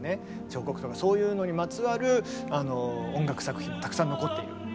彫刻とかそういうのにまつわる音楽作品もたくさん残っている。